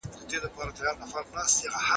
نوې څېړنې د سيستمونو کيفيت ښه کوي.